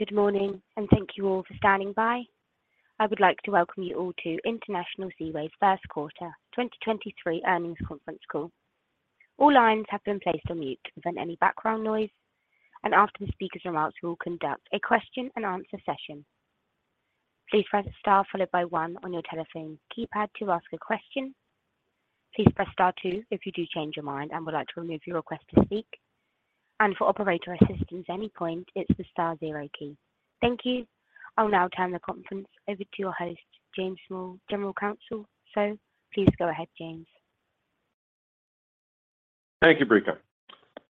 Good morning, and thank you all for standing by. I would like to welcome you all to International Seaways first quarter 2023 earnings conference call. All lines have been placed on mute to prevent any background noise, and after the speaker's remarks, we will conduct a question and answer session. Please press star followed by one on your telephone keypad to ask a question. Please press star two if you do change your mind and would like to remove your request to speak. For operator assistance at any point, it's the star zero key. Thank you. I'll now turn the conference over to your host, James Small, General Counsel. Please go ahead, James. Thank you, Brica.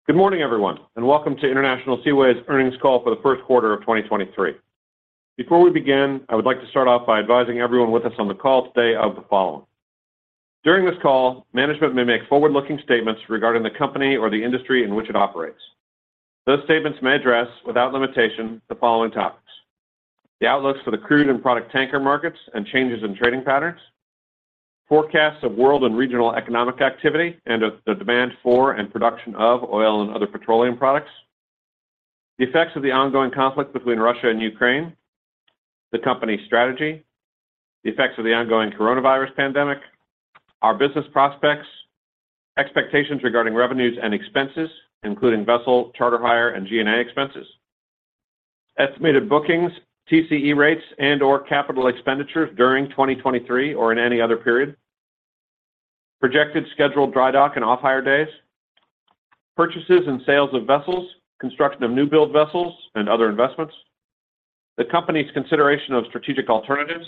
Good morning, everyone, and welcome to International Seaways earnings call for the first quarter of 2023. Before we begin, I would like to start off by advising everyone with us on the call today of the following. During this call, management may make forward-looking statements regarding the company or the industry in which it operates. Those statements may address, without limitation, the following topics: the outlooks for the crude and product tanker markets and changes in trading patterns, forecasts of world and regional economic activity and the demand for and production of oil and other petroleum products, the effects of the ongoing conflict between Russia and Ukraine, the company's strategy, the effects of the ongoing coronavirus pandemic, our business prospects, expectations regarding revenues and expenses, including vessel, charter hire and G&A expenses. Estimated bookings, TCE rates, and/or capital expenditures during 2023 or in any other period, projected scheduled dry dock and off-hire days, purchases and sales of vessels, construction of newbuild vessels and other investments, the company's consideration of strategic alternatives,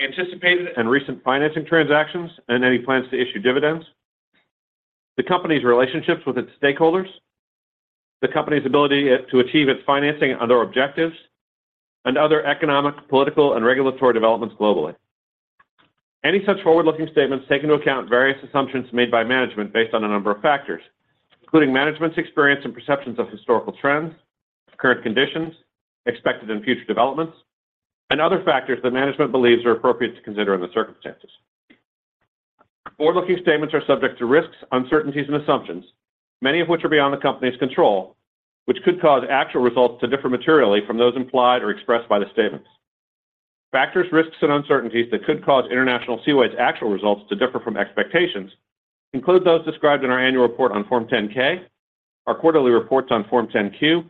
anticipated and recent financing transactions and any plans to issue dividends, the company's relationships with its stakeholders, the company's ability to achieve its financing and other objectives, and other economic, political, and regulatory developments globally. Any such forward-looking statements take into account various assumptions made by management based on a number of factors, including management's experience and perceptions of historical trends, current conditions, expected and future developments, and other factors that management believes are appropriate to consider in the circumstances. Forward-looking statements are subject to risks, uncertainties and assumptions, many of which are beyond the company's control, which could cause actual results to differ materially from those implied or expressed by the statements. Factors, risks and uncertainties that could cause International Seaways actual results to differ from expectations include those described in our annual report on Form 10-K, our quarterly reports on Form 10-Q,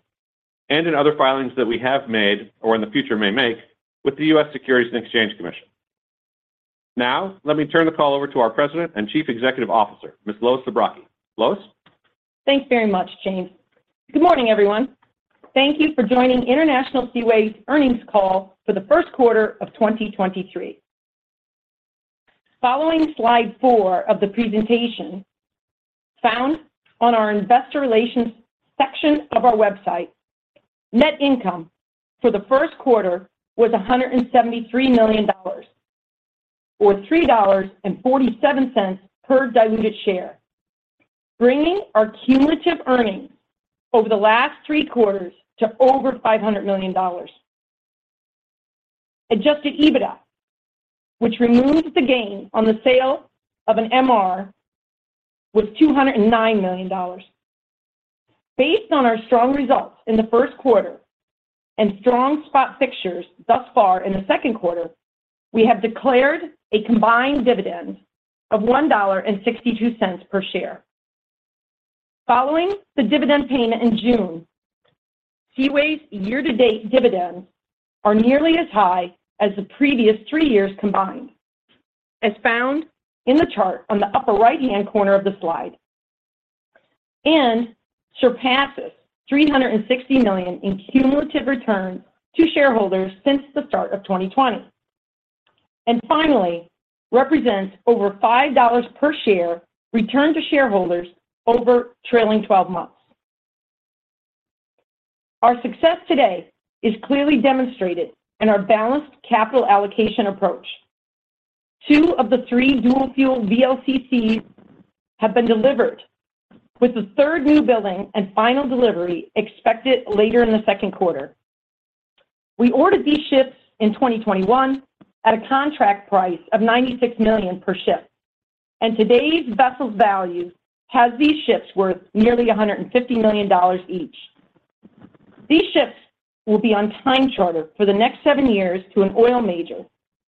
and in other filings that we have made or in the future may make with the U.S. Securities and Exchange Commission. Now, let me turn the call over to our President and Chief Executive Officer, Ms. Lois Zabrocky. Lois? Thanks very much, James. Good morning, everyone. Thank you for joining International Seaways earnings call for the first quarter of 2023. Following slide four of the presentation found on our investor relations section of our website, net income for the first quarter was $173 million or $3.47 per diluted share, bringing our cumulative earnings over the last three quarters to over $500 million. Adjusted EBITDA, which removes the gain on the sale of an MR, was $209 million. Based on our strong results in the first quarter and strong spot fixtures thus far in the second quarter, we have declared a combined dividend of $1.62 per share. Following the dividend payment in June, Seaways year-to-date dividends are nearly as high as the previous three years combined, as found in the chart on the upper right-hand corner of the slide, surpasses $360 million in cumulative returns to shareholders since the start of 2020. Finally represents over $5 per share returned to shareholders over trailing 12 months. Our success today is clearly demonstrated in our balanced capital allocation approach. Two of the three dual-fuel VLCCs have been delivered with the third newbuild and final delivery expected later in the second quarter. We ordered these ships in 2021 at a contract price of $96 million per ship, today's vessels value has these ships worth nearly $150 million each. These ships will be on time charter for the next seven years to an oil major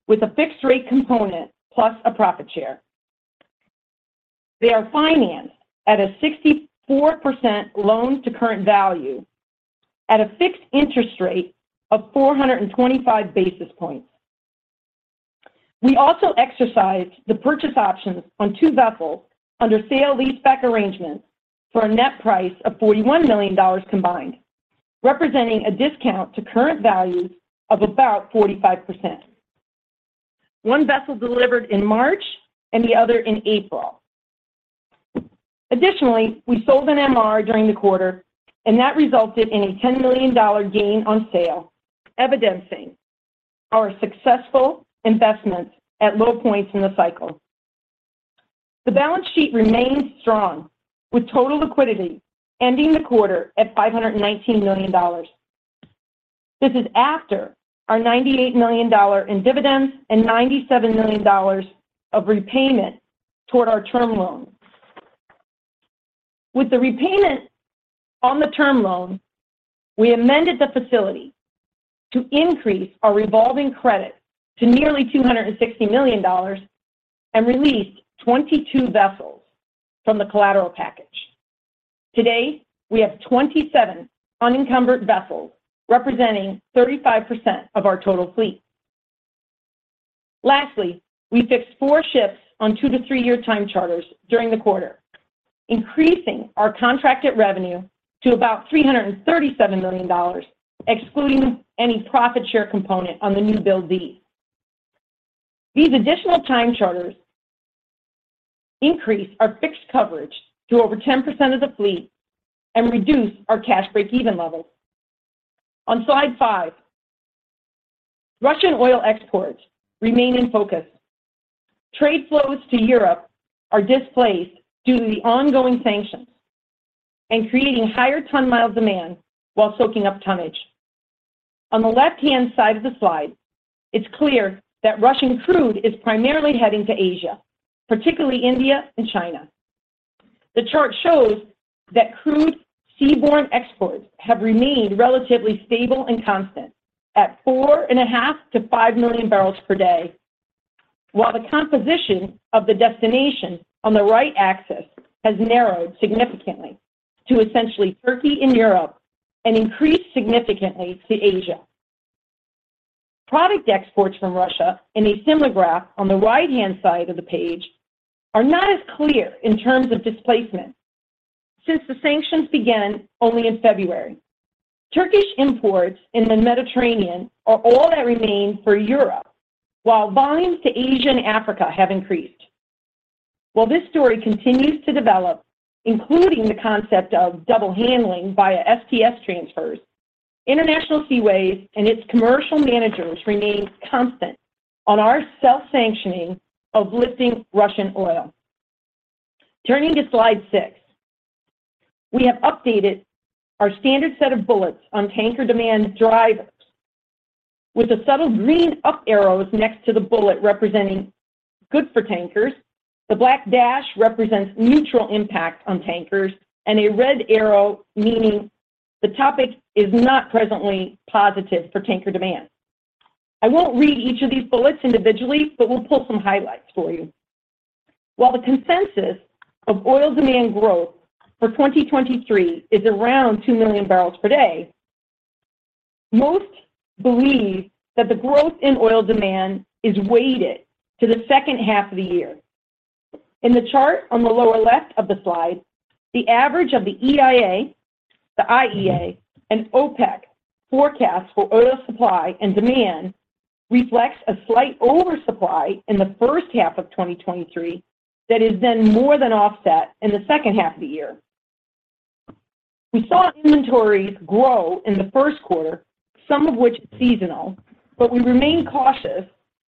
with a fixed rate component plus a profit share. They are financed at a 64% loan to current value at a fixed interest rate of 425 basis points. We also exercised the purchase options on two vessels under sale-leaseback arrangements for a net price of $41 million combined, representing a discount to current values of about 45%. One vessel delivered in March and the other in April. We sold an MR during the quarter, and that resulted in a $10 million gain on sale, evidencing our successful investments at low points in the cycle. The balance sheet remains strong with total liquidity ending the quarter at $519 million. This is after our $98 million in dividends and $97 million of repayment toward our term loan. With the repayment on the term loan, we amended the facility to increase our revolving credit to nearly $260 million and released 22 vessels from the collateral package. Today, we have 27 unencumbered vessels representing 35% of our total fleet. Lastly, we fixed four ships on two- to three-year time charters during the quarter, increasing our contracted revenue to about $337 million, excluding any profit share component on the newbuild V. These additional time charters increase our fixed coverage to over 10% of the fleet and reduce our cash break-even levels. On slide five, Russian oil exports remain in focus. Trade flows to Europe are displaced due to the ongoing sanctions and creating higher ton-mile demand while soaking up tonnage. On the left-hand side of the slide, it's clear that Russian crude is primarily heading to Asia, particularly India and China. The chart shows that crude seaborne exports have remained relatively stable and constant at 4.5 million-5 million barrels per day, while the composition of the destination on the right axis has narrowed significantly to essentially Turkey and Europe and increased significantly to Asia. Product exports from Russia in a similar graph on the right-hand side of the page are not as clear in terms of displacement since the sanctions began only in February. Turkish imports in the Mediterranean are all that remain for Europe, while volumes to Asia and Africa have increased. While this story continues to develop, including the concept of double handling via STS transfers, International Seaways and its commercial managers remains constant on our self-sanctioning of lifting Russian oil. Turning to slide six, we have updated our standard set of bullets on tanker demand drivers with the subtle green up arrows next to the bullet representing good for tankers. The black dash represents neutral impact on tankers and a red arrow, meaning the topic is not presently positive for tanker demand. I won't read each of these bullets individually, but we'll pull some highlights for you. While the consensus of oil demand growth for 2023 is around 2 million barrels per day, most believe that the growth in oil demand is weighted to the second half of the year. In the chart on the lower left of the slide, the average of the EIA, the IEA, and OPEC forecasts for oil supply and demand reflects a slight oversupply in the first half of 2023 that is then more than offset in the second half of the year. We saw inventories grow in the first quarter, some of which is seasonal, but we remain cautious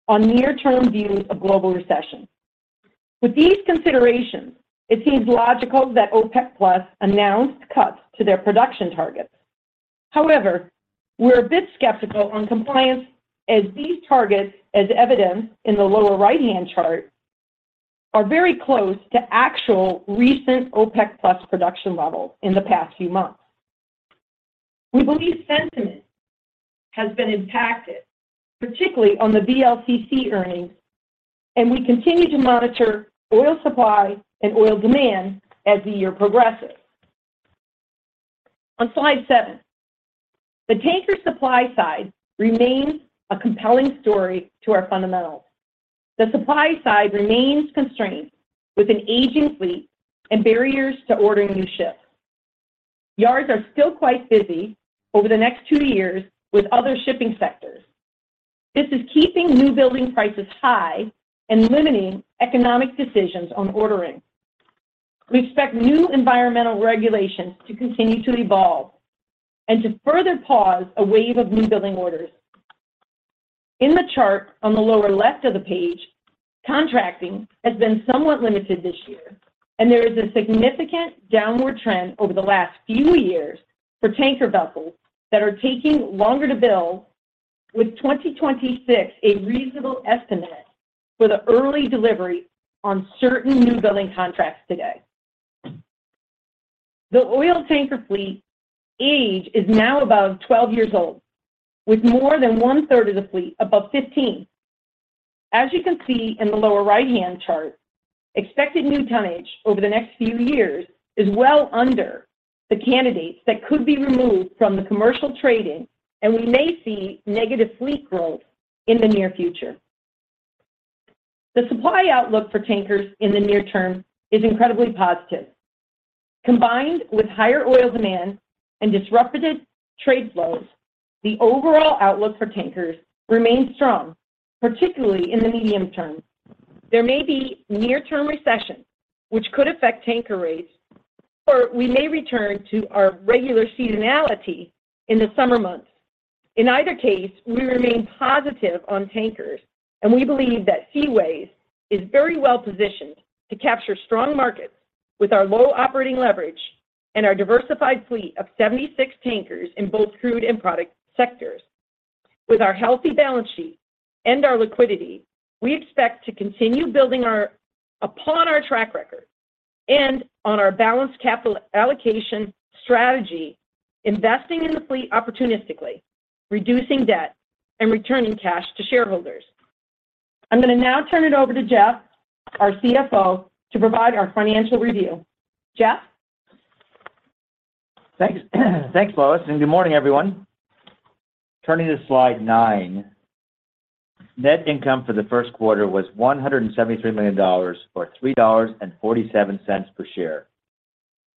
on near-term views of global recession. With these considerations, it seems logical that OPEC+ announced cuts to their production targets. However, we're a bit skeptical on compliance as these targets, as evidenced in the lower right-hand chart, are very close to actual recent OPEC+ production levels in the past few months. We believe sentiment has been impacted, particularly on the VLCC earnings, and we continue to monitor oil supply and oil demand as the year progresses. On slide seven, the tanker supply side remains a compelling story to our fundamentals. The supply side remains constrained with an aging fleet and barriers to ordering new ships. Yards are still quite busy over the next two years with other shipping sectors. This is keeping new building prices high and limiting economic decisions on ordering. We expect new environmental regulations to continue to evolve and to further pause a wave of new building orders. In the chart on the lower left of the page, contracting has been somewhat limited this year, there is a significant downward trend over the last few years for tanker vessels that are taking longer to build with 2026 a reasonable estimate for the early delivery on certain new building contracts today. The oil tanker fleet age is now above 12 years old, with more than one-third of the fleet above 15. As you can see in the lower right-hand chart, expected new tonnage over the next few years is well under the candidates that could be removed from the commercial trading, we may see negative fleet growth in the near future. The supply outlook for tankers in the near term is incredibly positive. Combined with higher oil demand and disrupted trade flows, the overall outlook for tankers remains strong, particularly in the medium term. There may be near-term recession which could affect tanker rates, or we may return to our regular seasonality in the summer months. In either case, we remain positive on tankers, and we believe that Seaways is very well-positioned to capture strong markets with our low operating leverage and our diversified fleet of 76 tankers in both crude and product sectors. With our healthy balance sheet and our liquidity, we expect to continue building our upon our track record and on our balanced capital allocation strategy, investing in the fleet opportunistically, reducing debt, and returning cash to shareholders. I'm gonna now turn it over to Jeff, our CFO, to provide our financial review. Jeff? Thanks. Thanks, Lois. Good morning, everyone. Turning to slide 9, net income for the 1st quarter was $173 million, or $3.47 per share.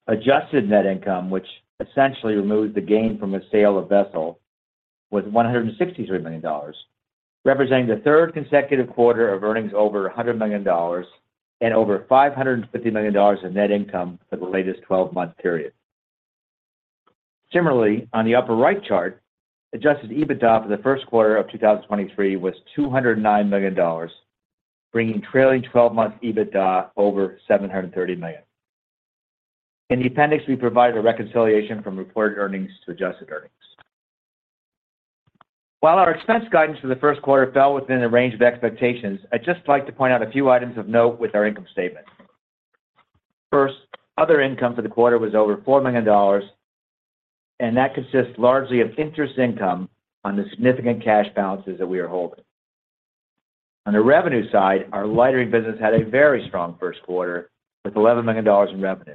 Adjusted net income, which essentially removed the gain from the sale of vessel, was $163 million, representing the 3rd consecutive quarter of earnings over $100 million and over $550 million in net income for the latest 12-month period. Similarly, on the upper right chart, adjusted EBITDA for the 1st quarter of 2023 was $209 million, bringing trailing 12-month EBITDA over $730 million. In the appendix, we provided a reconciliation from reported earnings to adjusted earnings. While our expense guidance for the first quarter fell within the range of expectations, I'd just like to point out a few items of note with our income statement. First, other income for the quarter was over $4 million, that consists largely of interest income on the significant cash balances that we are holding. On the revenue side, our lightering business had a very strong first quarter with $11 million in revenue.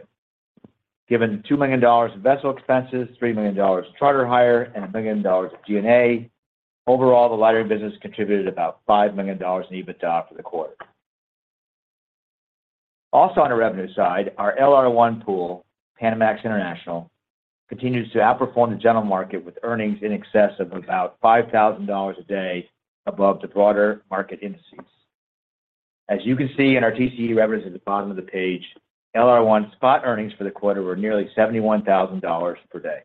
Given $2 million in vessel expenses, $3 million in charter hire, and $1 million in G&A, overall, the lightering business contributed about $5 million in EBITDA for the quarter. Also on the revenue side, our LR1 pool, Panamax International, continues to outperform the general market with earnings in excess of about $5,000 a day above the broader market indices. As you can see in our TCE revenues at the bottom of the page, LR1 spot earnings for the quarter were nearly $71,000 per day.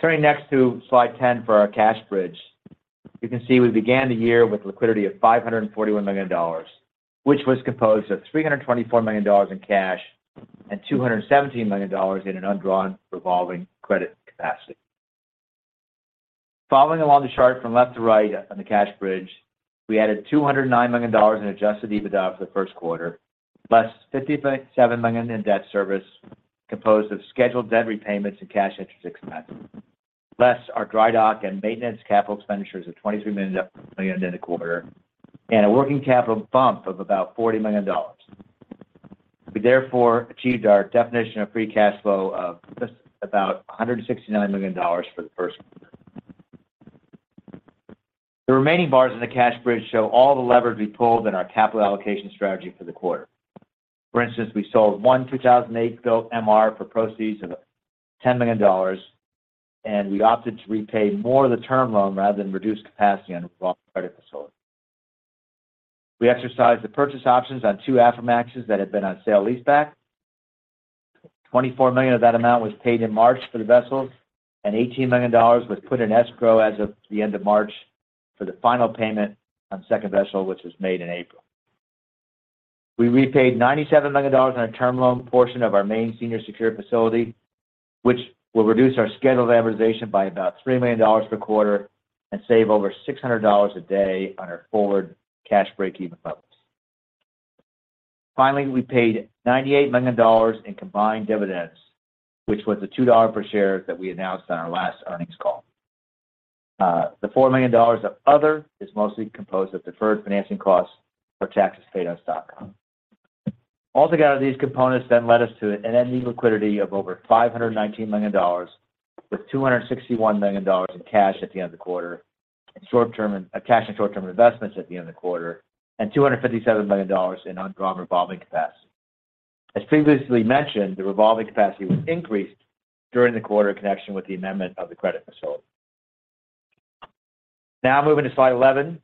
Turning next to slide 10 for our cash bridge. You can see we began the year with liquidity of $541 million, which was composed of $324 million in cash and $217 million in an undrawn revolving credit capacity. Following along the chart from left to right on the cash bridge, we added $209 million in adjusted EBITDA for the first quarter, plus $57 million in debt service composed of scheduled debt repayments and cash interest expense. Less our dry dock and maintenance capital expenditures of $23 million in the quarter, and a working capital bump of about $40 million. We, therefore, achieved our definition of free cash flow of just about $169 million for the first quarter. The remaining bars in the cash bridge show all the levers we pulled in our capital allocation strategy for the quarter. For instance, we sold 1 28-built MR for proceeds of $10 million. We opted to repay more of the term loan rather than reduce capacity on credit facility. We exercised the purchase options on 2 Aframaxes that had been on sale-leaseback. $24 million of that amount was paid in March for the vessels. $18 million was put in escrow as of the end of March for the final payment on second vessel, which was made in April. We repaid $97 million on a term loan portion of our main senior secured facility, which will reduce our scheduled amortization by about $3 million per quarter and save over $600 a day on our forward cash break-even levels. We paid $98 million in combined dividends, which was a $2 per share that we announced on our last earnings call. The $4 million of other is mostly composed of deferred financing costs for taxes paid on stock. Altogether, these components then led us to an ending liquidity of over $519 million, with $261 million in cash at the end of the quarter, and cash and short-term investments at the end of the quarter, and $257 million in undrawn revolving capacity. As previously mentioned, the revolving capacity was increased during the quarter connection with the amendment of the credit facility. Moving to slide 11.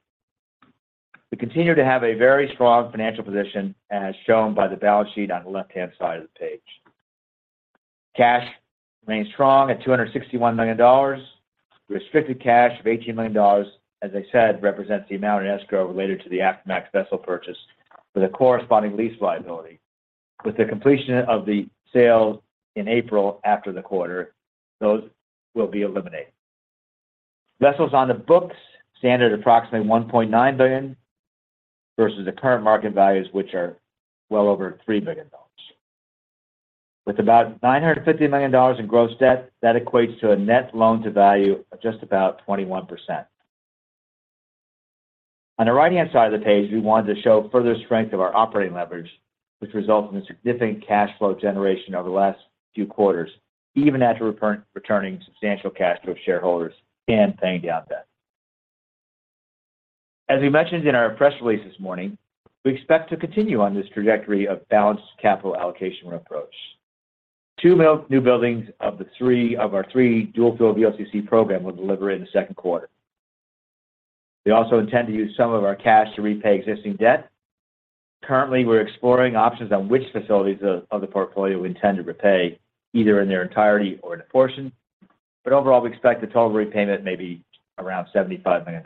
We continue to have a very strong financial position, as shown by the balance sheet on the left-hand side of the page. Cash remains strong at $261 million. Restricted cash of $18 million, as I said, represents the amount in escrow related to the Aframax vessel purchase with a corresponding lease liability. With the completion of the sale in April after the quarter, those will be eliminated. Vessels on the books stand at approximately $1.9 billion versus the current market values, which are well over $3 billion. With about $950 million in gross debt, that equates to a net loan-to-value of just about 21%. On the right-hand side of the page, we wanted to show further strength of our operating leverage, which results in a significant cash flow generation over the last few quarters, even after returning substantial cash flow to shareholders and paying down debt. As we mentioned in our press release this morning, we expect to continue on this trajectory of balanced capital allocation approach. Two new buildings of our three dual-fuel VLCC program will deliver in the second quarter. We also intend to use some of our cash to repay existing debt. Currently, we're exploring options on which facilities of the portfolio we intend to repay, either in their entirety or in a portion. Overall, we expect the total repayment may be around $75 million.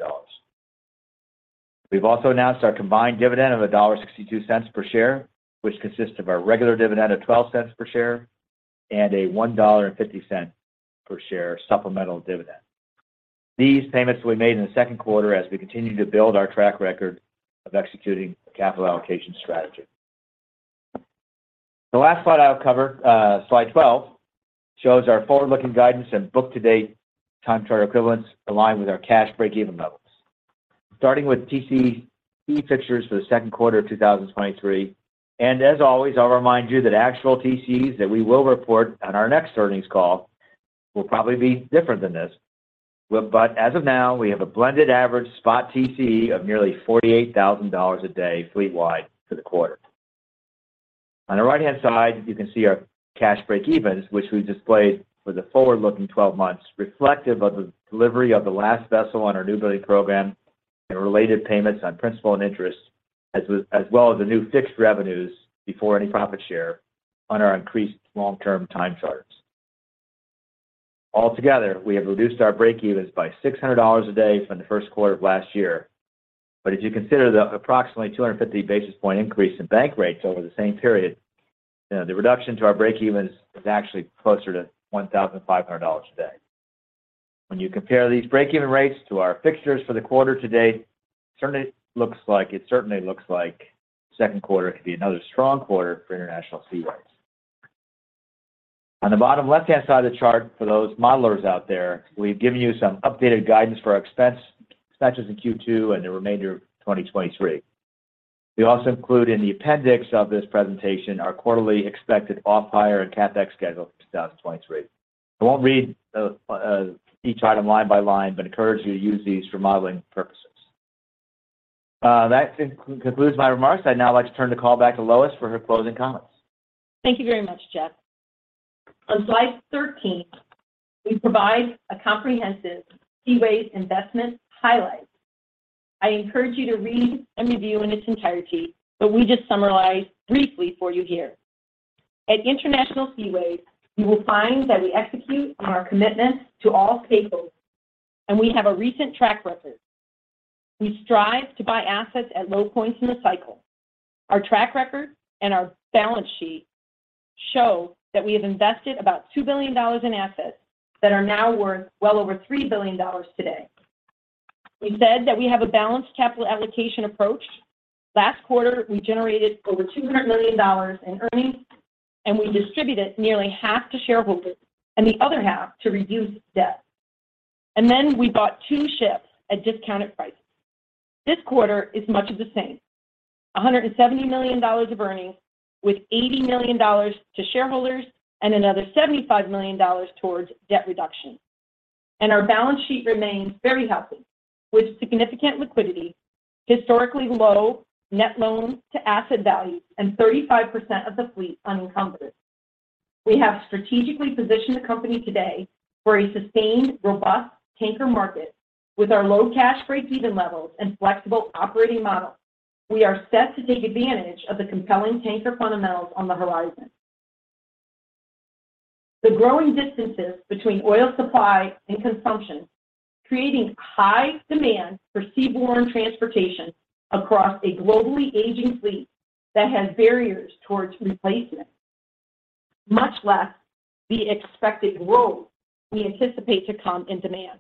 We've also announced our combined dividend of $1.62 per share, which consists of our regular dividend of $0.12 per share and a $1.50 per share supplemental dividend. These payments we made in the second quarter as we continue to build our track record of executing capital allocation strategy. The last slide I'll cover, slide 12, shows our forward-looking guidance and book-to-date time charter equivalents aligned with our cash breakeven levels. Starting with TCE fixtures for the second quarter of 2023, and as always, I'll remind you that actual TCEs that we will report on our next earnings call will probably be different than this. As of now, we have a blended average spot TCE of nearly $48,000 a day fleet-wide for the quarter. On the right-hand side, you can see our cash breakevens, which we've displayed for the forward-looking 12 months reflective of the delivery of the last vessel on our new building program and related payments on principal and interest, as well as the new fixed revenues before any profit share on our increased long-term time charters. Altogether, we have reduced our breakevens by $600 a day from the first quarter of last year. If you consider the approximately 250 basis point increase in bank rates over the same period, you know, the reduction to our breakevens is actually closer to $1,500 a day. When you compare these breakeven rates to our fixtures for the quarter to date, it certainly looks like second quarter could be another strong quarter for International Seaways. On the bottom left-hand side of the chart, for those modelers out there, we've given you some updated guidance for our expenses in Q2 and the remainder of 2023. We also include in the appendix of this presentation our quarterly expected off-hire and CapEx schedule for 2023. I won't read each item line by line, but encourage you to use these for modeling purposes. That concludes my remarks. I'd now like to turn the call back to Lois for her closing comments. Thank you very much, Jeff. On slide 13, we provide a comprehensive Seaways investment highlights. I encourage you to read and review in its entirety, but we just summarize briefly for you here. At International Seaways, you will find that we execute on our commitment to all stakeholders, and we have a recent track record. We strive to buy assets at low points in the cycle. Our track record and our balance sheet show that we have invested about $2 billion in assets that are now worth well over $3 billion today. We said that we have a balanced capital allocation approach. Last quarter, we generated over $200 million in earnings, and we distributed nearly half to shareholders and the other half to reduce debt. We bought two ships at discounted prices. This quarter is much of the same, $170 million of earnings with $80 million to shareholders and another $75 million towards debt reduction. Our balance sheet remains very healthy, with significant liquidity, historically low net loan-to-value, and 35% of the fleet unencumbered. We have strategically positioned the company today for a sustained, robust tanker market with our low cash breakeven levels and flexible operating model. We are set to take advantage of the compelling tanker fundamentals on the horizon. The growing distances between oil supply and consumption, creating high demand for seaborne transportation across a globally aging fleet that has barriers towards replacement, much less the expected growth we anticipate to come in demand.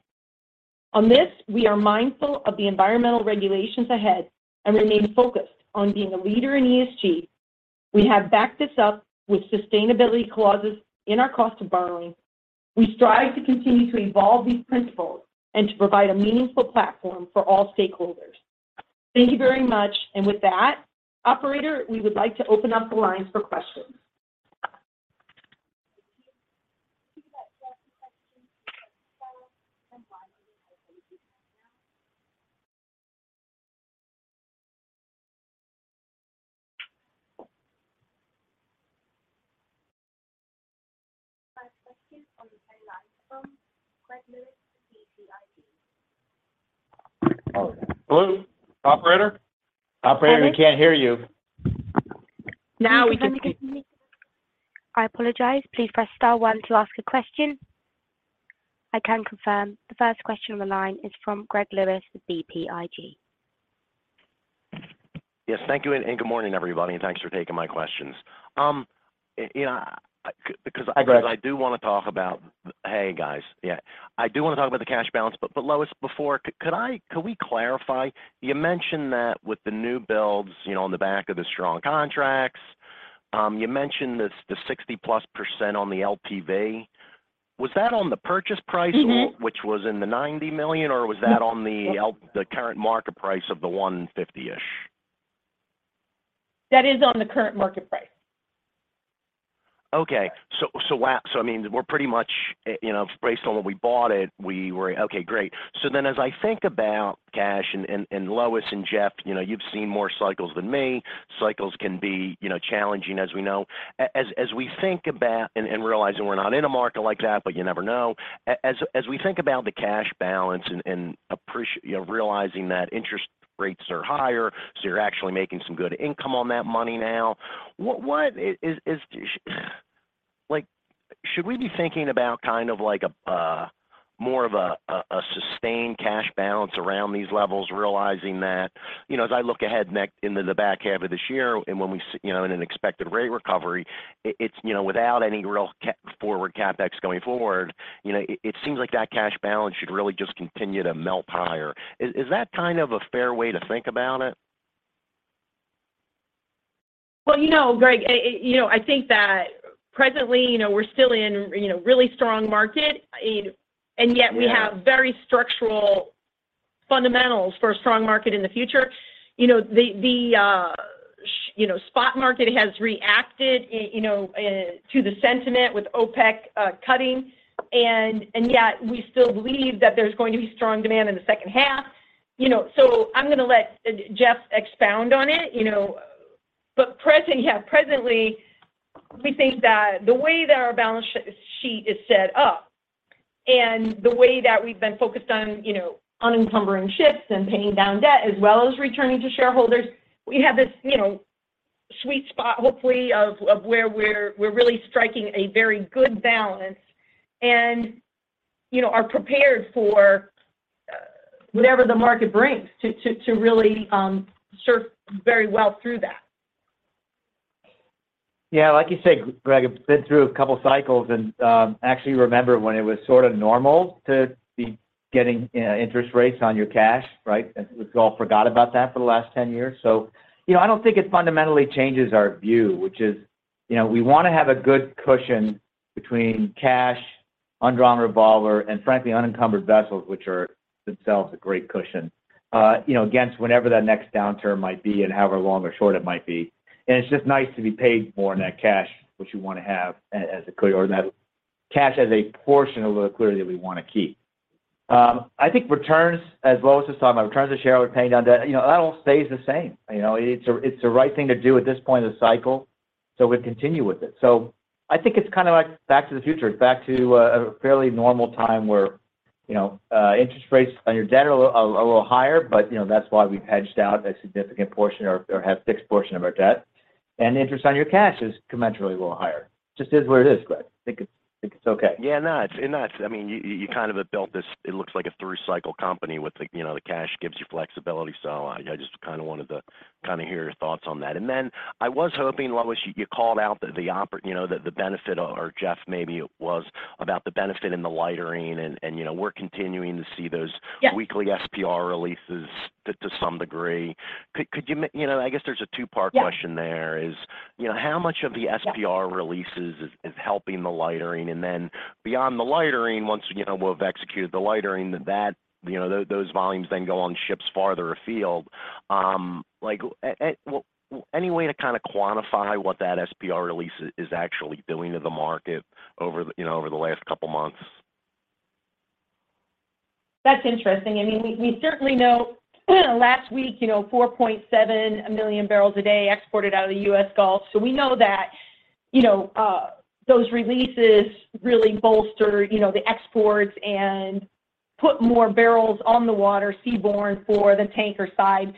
On this, we are mindful of the environmental regulations ahead and remain focused on being a leader in ESG. We have backed this up with sustainability clauses in our cost of borrowing. We strive to continue to evolve these principles and to provide a meaningful platform for all stakeholders. Thank you very much. With that, operator, we would like to open up the lines for questions. Operator, we can't hear you. I apologize. Please press star one to ask a question. I can confirm the first question on the line is from Greg Lewis of BTIG. Yes, thank you, and good morning, everybody, and thanks for taking my questions. you know. Hi, Greg. Hey, guys. Yeah. I do want to talk about the cash balance, but Lois, before, could I could we clarify, you mentioned that with the newbuilds, you know, on the back of the strong contracts, you mentioned this, the 60%+ on the LTV. Was that on the purchase price which was in the $90 million, or was that on the current market price of the 150-ish? That is on the current market price. Okay. So I mean, we're pretty much, you know, based on when we bought it. Okay, great. As I think about cash and Lois and Jeff, you know, you've seen more cycles than me. Cycles can be, you know, challenging as we know. As we think about and realizing we're not in a market like that, but you never know. As, as we think about the cash balance and, you know, realizing that interest rates are higher, so you're actually making some good income on that money now. Like, should we be thinking about kind of like a more of a sustained cash balance around these levels, realizing that, you know, as I look ahead next into the back half of this year, and when we see, you know, in an expected rate recovery, it's, you know, without any real forward CapEx going forward, you know, it seems like that cash balance should really just continue to melt higher. Is that kind of a fair way to think about it? Well, you know, Greg, you know, I think that presently, you know, we're still in, you know, really strong market. Yet we have very structural fundamentals for a strong market in the future. You know, the, you know, spot market has reacted, you know, to the sentiment with OPEC cutting and yet we still believe that there's going to be strong demand in the second half. You know, I'm gonna let Jeff expound on it, you know. Presently, we think that the way that our balance sheet is set up and the way that we've been focused on, you know, unencumbering ships and paying down debt, as well as returning to shareholders, we have this, you know, sweet spot, hopefully, of where we're really striking a very good balance and, you know, are prepared for whatever the market brings to really surf very well through that. Yeah. Like you said, Greg, I've been through a couple cycles and actually remember when it was sort of normal to be getting interest rates on your cash, right? We all forgot about that for the last 10 years. You know, I don't think it fundamentally changes our view, which is, you know, we wanna have a good cushion between cash on drawn revolver and frankly, unencumbered vessels, which are themselves a great cushion, you know, against whatever that next downturn might be and however long or short it might be. It's just nice to be paid for net cash, which we want to have net cash as a portion of the clear that we want to keep. I think returns, as Lois was talking about, returns to shareholder, paying down debt, you know, that all stays the same. You know, it's the right thing to do at this point in the cycle, we'd continue with it. I think it's kind of like back to the future. It's back to a fairly normal time where, you know, interest rates on your debt are a little higher, but you know, that's why we've hedged out a significant portion or have fixed portion of our debt. Interest on your cash is commensurately a little higher. Just is what it is, Greg. I think it's okay. Yeah, no, it's. That's, I mean, you kind of have built this, it looks like a three-cycle company with the, you know, the cash gives you flexibility. I just kind of wanted to kind of hear your thoughts on that. Then I was hoping, Lois, you called out, you know, the benefit or Jeff maybe it was about the benefit in the lightering and, you know, we're continuing to see those weekly SPR releases to some degree. Could you know, I guess there's a two-part question there is, you know, how much of the SPR releases is helping the lightering? Then beyond the lightering, once, you know, we've executed the lightering that, you know, those volumes then go on ships farther afield. Like, any way to kind of quantify what that SPR release is actually doing to the market over the last couple months? That's interesting. I mean, we certainly know last week, you know, 4.7 million barrels a day exported out of the U.S. Gulf. We know that, you know, those releases really bolster, you know, the exports and put more barrels on the water seaborne for the tanker side.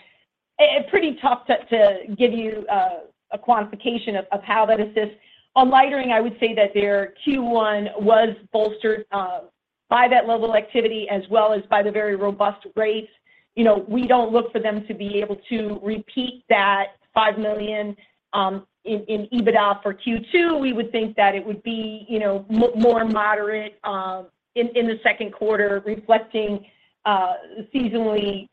It's pretty tough to give you a quantification of how that assists. On lightering, I would say that their Q1 was bolstered by that level of activity as well as by the very robust rates. You know, we don't look for them to be able to repeat that $5 million in EBITDA for Q2. We would think that it would be, you know, more moderate in the second quarter reflecting seasonally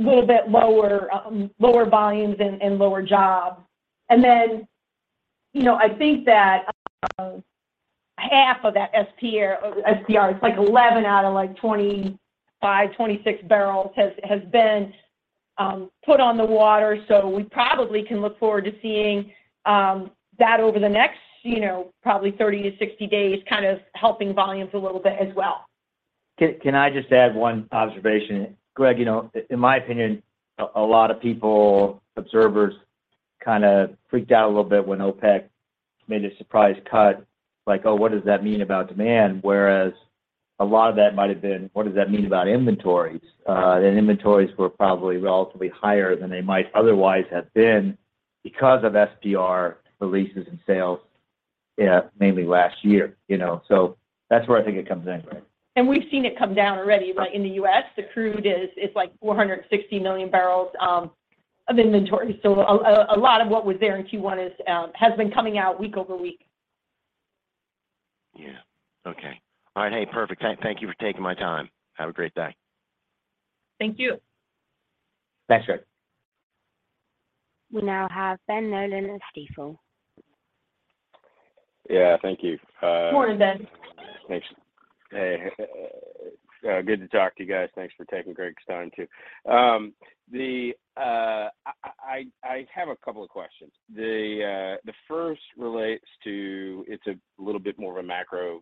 a little bit lower volumes and lower jobs. You know, I think that, half of that SPR, it's like 11 out of like 25, 26 barrels has been put on the water. We probably can look forward to seeing that over the next, you know, probably 30 to 60 days, kind of helping volumes a little bit as well. Can I just add 1 observation? Greg, you know, in my opinion, a lot of people, observers kind of freaked out a little bit when OPEC made a surprise cut. Like, Oh, what does that mean about demand? Whereas a lot of that might have been, what does that mean about inventories? Inventories were probably relatively higher than they might otherwise have been because of SPR releases and sales, mainly last year, you know? That's where I think it comes in, Greg. We've seen it come down already, like, in the US, the crude is, it's like 460 million barrels of inventory. A lot of what was there in Q1 is has been coming out week over week. Yeah. Okay. All right. Hey, perfect. Thank you for taking my time. Have a great day. Thank you. Thanks, Greg. We now have Ben Nolan of Stifel. Yeah. Thank you. Morning, Ben. Thanks. Hey. good to talk to you guys. Thanks for taking Greg's time too. I have a couple of questions. The first relates to it's a little bit more of a macro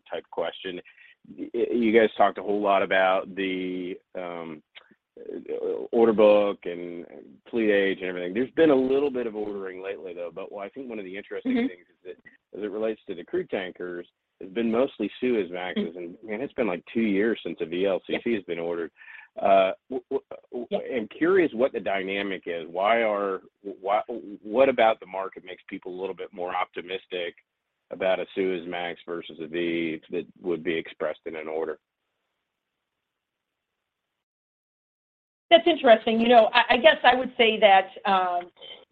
type question. You guys talked a whole lot about the order book and fleet age and everything. There's been a little bit of ordering lately, though. What I think one of the interesting things is that as it relates to the crude tankers, it's been mostly Suezmaxes. Man, it's been like two years since a VLCC has been ordered. I'm curious what the dynamic is. Why are, what about the market makes people a little bit more optimistic about a Suezmax versus a VLCC that would be expressed in an order? That's interesting. You know, I guess I would say that,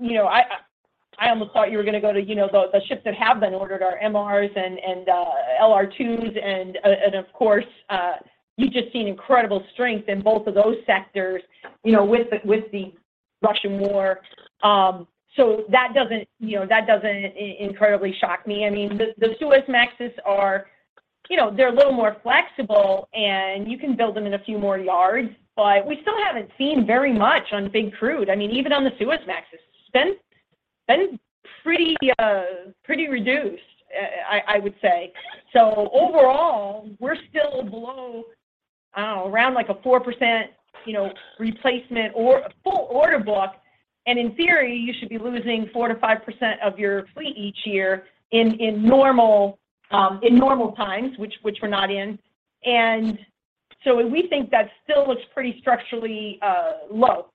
you know, I almost thought you were gonna go to, you know, the ships that have been ordered are MRs and LR2s and of course, you've just seen incredible strength in both of those sectors, you know, with the Russian war. That doesn't, you know, that doesn't incredibly shock me. I mean, the Suezmaxes are, you know, they're a little more flexible, and you can build them in a few more yards. We still haven't seen very much on big crude. I mean, even on the Suezmaxes. It's been pretty reduced, I would say. Overall, we're still below, I don't know, around like a 4%, you know, replacement or a full order book, in theory, you should be losing 4% to 5% of your fleet each year in normal times, which we're not in. We think that still looks pretty structurally low.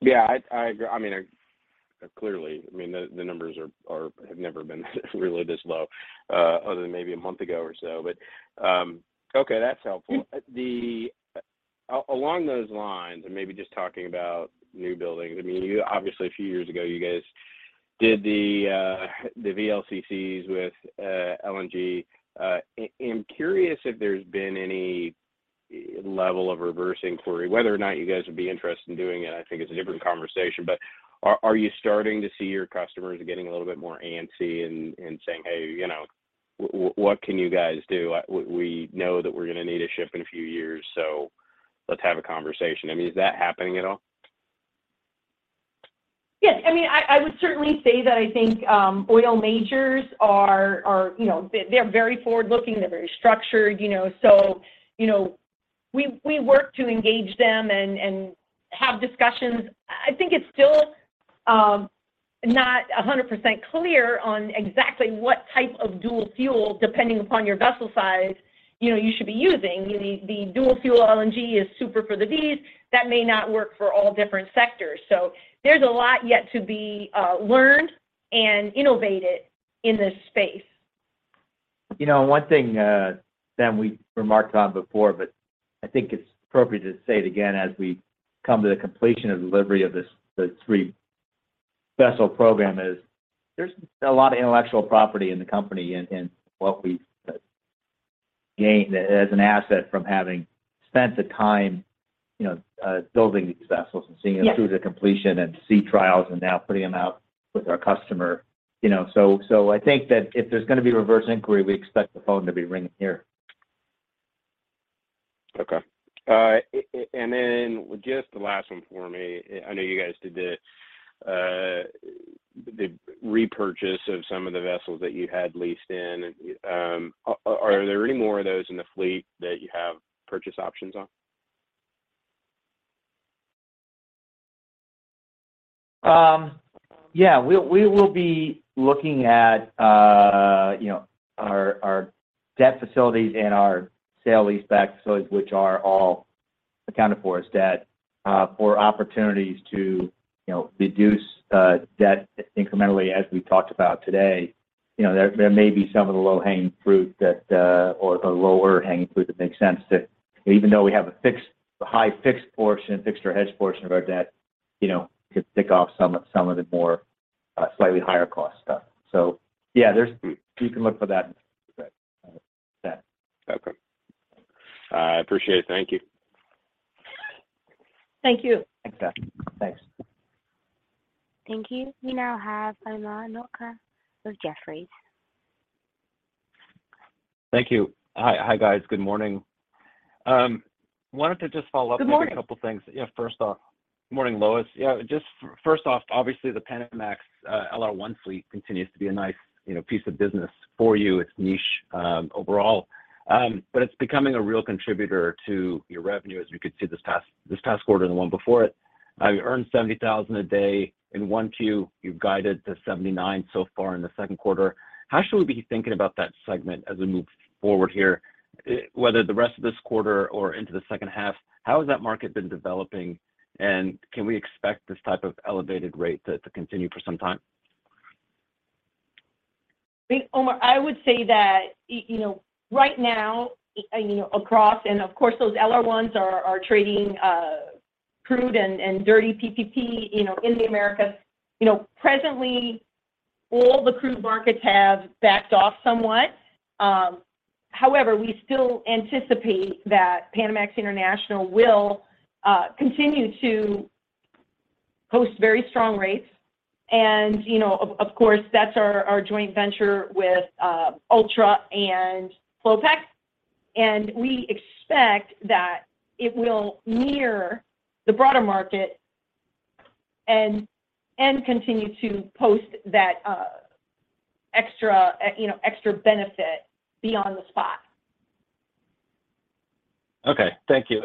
Yeah, I agree. I mean, clearly, I mean, the numbers have never been really this low, other than maybe a month ago or so. Okay, that's helpful. Along those lines, maybe just talking about new buildings, I mean, you obviously a few years ago, you guys did the VLCCs with LNG. I'm curious if there's been any level of reverse inquiry, whether or not you guys would be interested in doing it, I think it's a different conversation. Are you starting to see your customers getting a little bit more antsy and saying, "Hey, you know, what can you guys do? We know that we're gonna need a ship in a few years, so let's have a conversation." I mean, is that happening at all? Yes. I mean, I would certainly say that I think oil majors are, you know, they're very forward-looking, they're very structured, you know, so, you know, we work to engage them and have discussions. I think it's still not 100% clear on exactly what type of dual-fuel, depending upon your vessel size, you know, you should be using. The dual-fuel LNG is super for the Vs. That may not work for all different sectors. There's a lot yet to be learned and innovated in this space. You know, one thing that we've remarked on before, but I think it's appropriate to say it again as we come to the completion of delivery of this, the three vessel program is there's a lot of intellectual property in the company, in what we've gained as an asset from having spent the time, you know, building these vessels. Through to completion and sea trials and now putting them out with our customer. You know, I think that if there's gonna be reverse inquiry, we expect the phone to be ringing here. Okay. Just the last one for me. I know you guys did the repurchase of some of the vessels that you had leased in. Are there any more of those in the fleet that you have purchase options on? Yeah. We will be looking at, you know, our debt facilities and our sale-leaseback facilities, which are all accounted for as debt, for opportunities to, you know, reduce debt incrementally, as we talked about today. You know, there may be some of the low-hanging fruit that or the lower-hanging fruit that makes sense that even though we have a fixed, high fixed portion, fixed or hedged portion of our debt, you know, could pick off some of the more, slightly higher cost stuff. Yeah, there's, we can look for that. Okay. I appreciate it. Thank you. Thank you. Thanks, Ben. Thanks. Thank you. We now have Omar Nokta with Jefferies. Thank you. Hi, guys. Good morning. wanted to just follow up. Good morning. With a couple things. Yeah, first off. Good morning, Lois. Just first off, obviously, the Panamax LR1 fleet continues to be a nice, you know, piece of business for you. It's niche overall. It's becoming a real contributor to your revenue, as we could see this past quarter and the one before it. You earned $70,000 a day in 1Q. You've guided to $79,000 so far in the second quarter. How should we be thinking about that segment as we move forward here? Whether the rest of this quarter or into the second half, how has that market been developing, and can we expect this type of elevated rate to continue for some time? I think, Omar, I would say that, you know, right now, you know, across, and of course those LR1s are trading, crude and dirty DPP, you know, in the Americas. You know, presently, all the crude markets have backed off somewhat. However, we still anticipate that Panamax International will continue to post very strong rates. You know, of course, that's our joint venture with Ultranav and Flopec. We expect that it will mirror the broader market and continue to post that extra, you know, extra benefit beyond the spot. Okay. Thank you.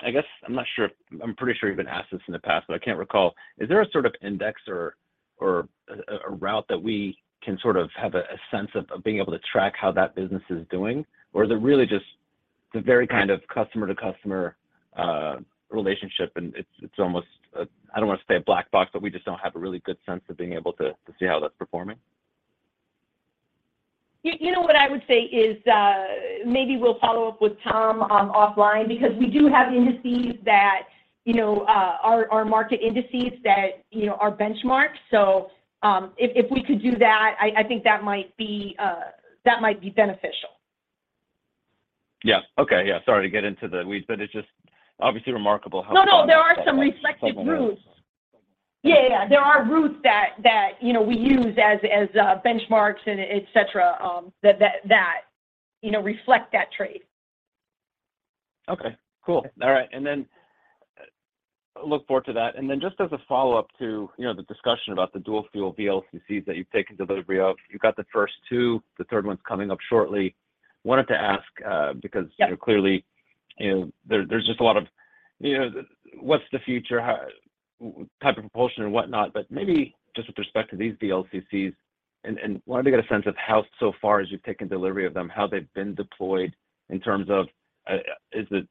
I guess I'm not sure if I'm pretty sure you've been asked this in the past, but I can't recall. Is there a sort of index or a route that we can sort of have a sense of being able to track how that business is doing? Is it really just the very kind of customer-to-customer relationship, and it's almost, I don't want to say a black box, but we just don't have a really good sense of being able to see how that's performing. You know, what I would say is, maybe we'll follow up with Tom offline because we do have indices that, you know, our market indices that, you know, are benchmarks. If we could do that, I think that might be beneficial. Yeah. Okay. Yeah. Sorry to get into the weeds, but it's just obviously remarkable how- No, there are some reflective routes. Yeah. There are routes that, you know, we use as, benchmarks and et cetera, that, you know, reflect that trade. Okay. Cool. All right. Look forward to that. Just as a follow-up to, you know, the discussion about the dual-fuel VLCCs that you've taken delivery of, you got the first two, the third one's coming up shortly. Wanted to ask. Yeah You know, clearly, you know, there's just a lot of, you know, what's the future type of propulsion and whatnot, but maybe just with respect to these VLCCs and wanted to get a sense of how so far as you've taken delivery of them, how they've been deployed in terms of, is the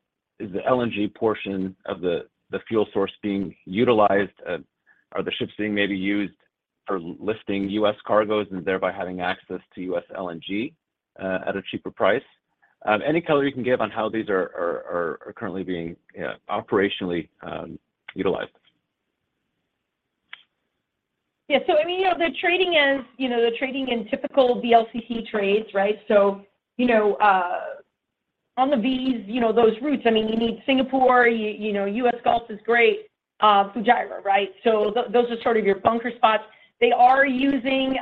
LNG portion of the fuel source being utilized? Are the ships being maybe used for lifting U.S. cargos and thereby having access to U.S. LNG at a cheaper price? Any color you can give on how these are currently being, yeah, operationally utilized. Yeah. I mean, you know, the trading is, you know, the trading in typical VLCC trades, right? You know, on the bees, you know those routes, I mean, you need Singapore, you know, US Gulf is great, Fujairah, right? Those are sort of your bunker spots. They are using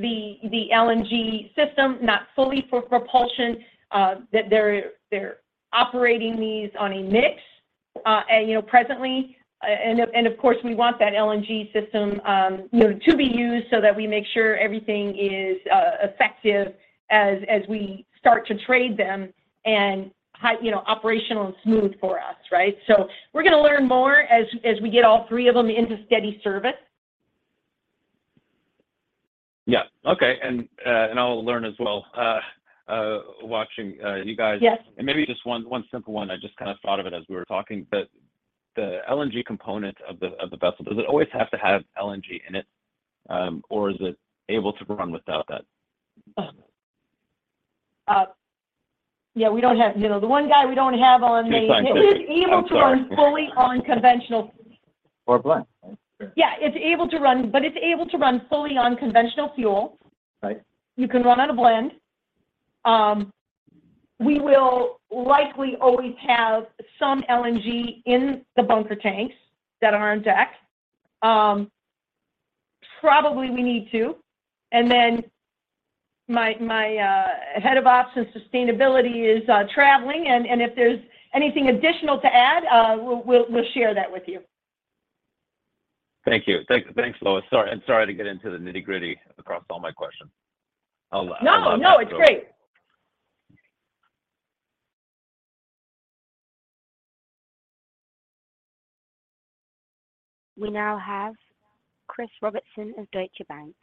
the LNG system, not fully for propulsion, that they're operating these on a mix, and you know, presently, and of course, we want that LNG system, you know, to be used so that we make sure everything is effective as we start to trade them and high, you know, operational and smooth for us, right? We're going to learn more as we get all three of them into steady service. Yeah. Okay. I'll learn as well, watching, you guys. Yes. Maybe just one simple one. I just kind of thought of it as we were talking, but the LNG component of the vessel, does it always have to have LNG in it, or is it able to run without that? Yeah, we don't have, you know, the one guy we don't have on. Too scientific. I'm sorry. It is able to run fully on conventional. A blend, right? Sure. Yeah. It's able to run, but it's able to run fully on conventional fuel. Right. You can run on a blend. We will likely always have some LNG in the bunker tanks that are on deck. Probably we need to. Then my head of ops and sustainability is traveling, and if there's anything additional to add, we'll share that with you. Thank you. Thanks, Lois. Sorry, sorry to get into the nitty-gritty across all my questions. No, no, it's great. We now have Chris Robertson of Deutsche Bank.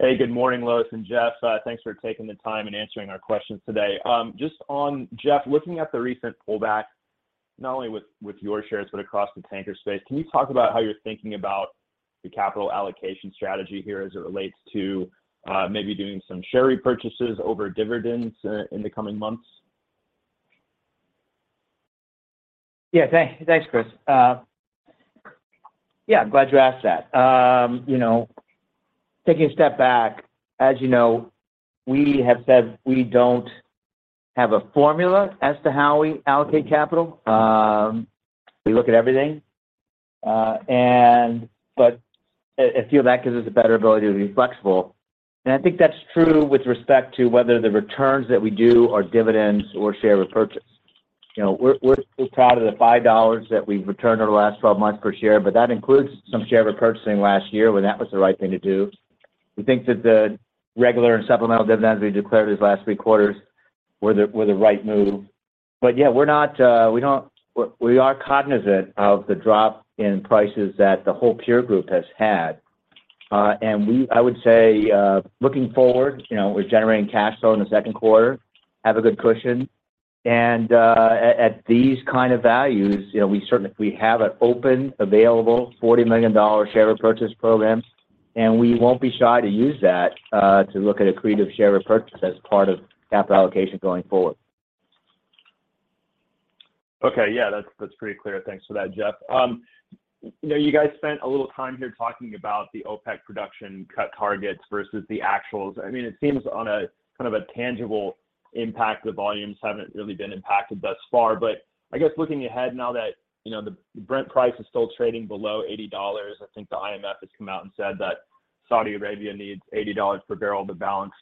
Hey, good morning, Lois and Jeff. Thanks for taking the time and answering our questions today. Just on, Jeff, looking at the recent pullback, not only with your shares, but across the tanker space, can you talk about how you're thinking about the capital allocation strategy here as it relates to maybe doing some share repurchases over dividends in the coming months? Yeah. Thanks, Chris. Yeah, I'm glad you asked that. You know, taking a step back, as you know, we have said we don't have a formula as to how we allocate capital. We look at everything, and but I feel that gives us a better ability to be flexible. I think that's true with respect to whether the returns that we do are dividends or share repurchase. You know, we're still proud of the $5 that we've returned over the last 12 months per share, but that includes some share repurchasing last year when that was the right thing to do. We think that the regular and supplemental dividends we declared these last three quarters were the right move. Yeah, we're not, we are cognizant of the drop in prices that the whole peer group has had. I would say, looking forward, you know, we're generating cash flow in the second quarter, have a good cushion. At these kind of values, you know, we certainly, we have an open, available $40 million share repurchase program, and we won't be shy to use that to look at accretive share repurchase as part of capital allocation going forward. Okay. Yeah. That's, that's pretty clear. Thanks for that, Jeff. You know, you guys spent a little time here talking about the OPEC production cut targets versus the actuals. I mean, it seems on a kind of a tangible impact, the volumes haven't really been impacted thus far. I guess looking ahead now that, you know, the Brent price is still trading below $80, I think the IMF has come out and said that Saudi Arabia needs $80 per barrel to balance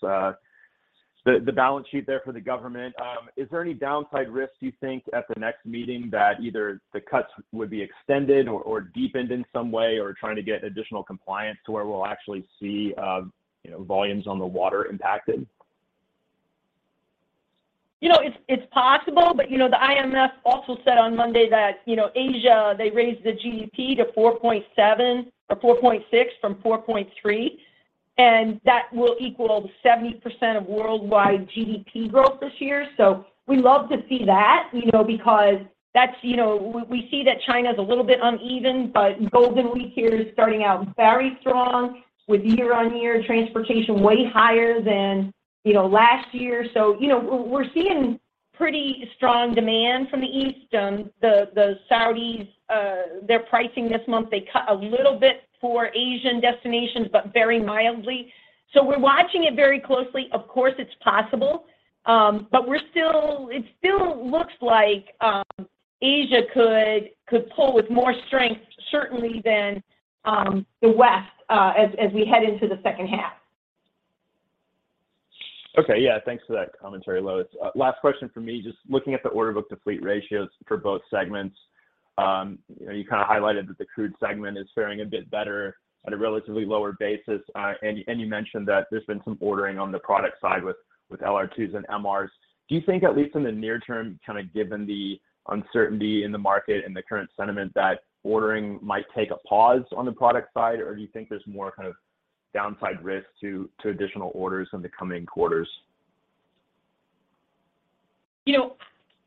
the balance sheet there for the government. Is there any downside risks you think at the next meeting that either the cuts would be extended or deepened in some way or trying to get additional compliance to where we'll actually see, you know, volumes on the water impacted? You know, it's possible, but, you know, the IMF also said on Monday that, you know, Asia, they raised the GDP to 4.7 or 4.6 from 4.3, and that will equal 70% of worldwide GDP growth this year. We love to see that, you know, because that's, you know. We see that China's a little bit uneven, but Golden Week here is starting out very strong with year-on-year transportation way higher than, you know, last year. You know, we're seeing pretty strong demand from the East. The Saudis, their pricing this month, they cut a little bit for Asian destinations, but very mildly. We're watching it very closely. Of course, it's possible, but we're still looks like Asia could pull with more strength certainly than the West as we head into the second half. Okay. Yeah, thanks for that commentary, Lois. Last question from me. Just looking at the order book to fleet ratios for both segments, you know, you kind of highlighted that the crude segment is faring a bit better at a relatively lower basis, and you mentioned that there's been some ordering on the product side with LR2s and MRs. Do you think at least in the near term, kind of given the uncertainty in the market and the current sentiment, that ordering might take a pause on the product side? Or do you think there's more kind of downside risk to additional orders in the coming quarters? You know,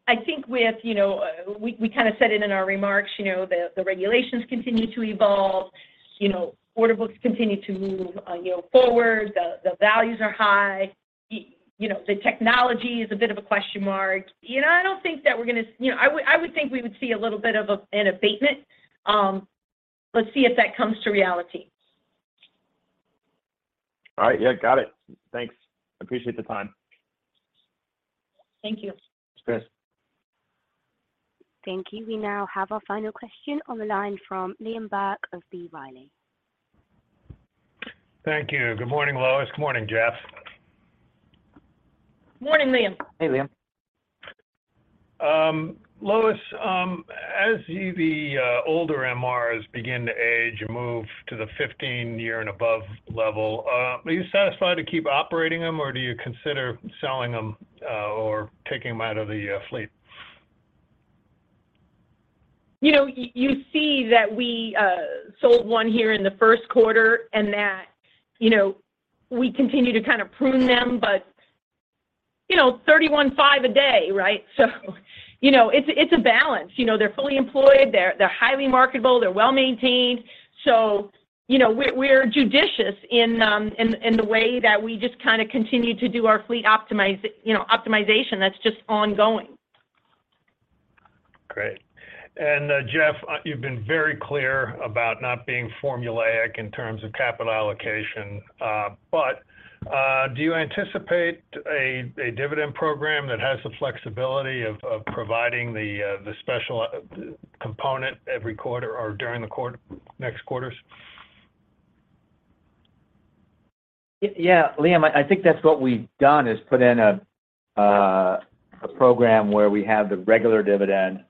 I think with, you know, we kind of said it in our remarks, you know, the regulations continue to evolve. You know, order books continue to move, you know, forward. The, the values are high. You know, the technology is a bit of a question mark. You know, I would think we would see a little bit of a, an abatement. Let's see if that comes to reality. All right. Yeah, got it. Thanks. I appreciate the time. Thank you. Thanks, Chris. Thank you. We now have our final question on the line from Liam Burke of B. Riley. Thank you. Good morning, Lois. Good morning, Jeff. Morning, Liam. Hey, Liam. Lois, as the older MRs begin to age and move to the 15-year and above level, are you satisfied to keep operating them, or do you consider selling them, or taking them out of the fleet? You know, you see that we sold one here in the first quarter and that, you know, we continue to kind of prune them. You know, $31,500 a day, right? You know, it's a balance. You know, they're fully employed. They're highly marketable. They're well-maintained. You know, we're judicious in the way that we just kind of continue to do our fleet optimization that's just ongoing. Great. Jeff, you've been very clear about not being formulaic in terms of capital allocation, but do you anticipate a dividend program that has the flexibility of providing the special component every quarter or during the next quarters? Yeah, Liam, I think that's what we've done, is put in a program where we have the regular dividend.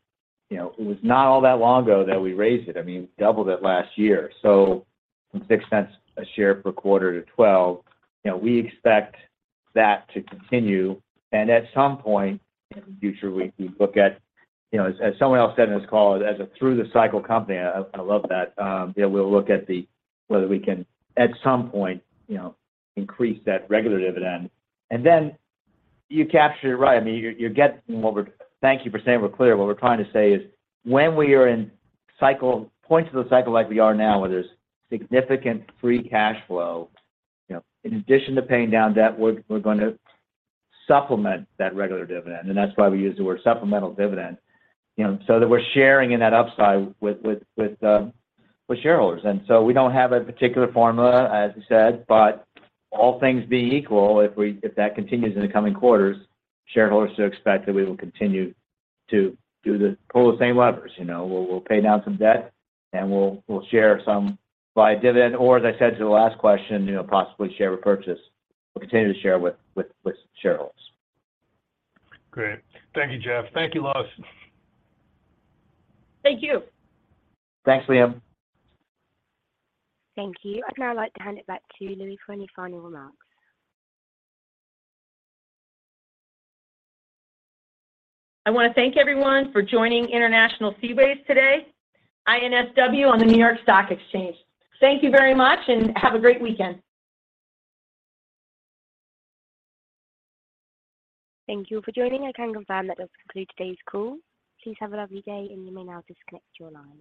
You know, it was not all that long ago that we raised it. I mean, we doubled it last year, so from $0.06 a share per quarter to $0.12. You know, we expect that to continue, and at some point in the future, we look at, you know, as someone else said in this call, as a through the cycle company, I love that, you know, we'll look at the whether we can at some point, you know, increase that regular dividend. Then you captured it right. I mean, you're getting what we're. Thank you for saying we're clear. What we're trying to say is when we are in cycle, points of the cycle like we are now, where there's significant free cash flow, you know, in addition to paying down debt, we're gonna supplement that regular dividend, and that's why we use the word supplemental dividend, you know, so that we're sharing in that upside with shareholders. We don't have a particular formula, as you said, but all things being equal, if we, if that continues in the coming quarters, shareholders should expect that we will continue to pull the same levers. You know, we'll pay down some debt, and we'll share some via dividend, or as I said to the last question, you know, possibly share repurchase. We'll continue to share with shareholders. Great. Thank you, Jeff. Thank you, Lois. Thank you. Thanks, Liam. Thank you. I'd now like to hand it back to Lois for any final remarks. I want to thank everyone for joining International Seaways today, INSW on the New York Stock Exchange. Thank you very much, and have a great weekend. Thank you for joining. I can confirm that does conclude today's call. Please have a lovely day, and you may now disconnect your line.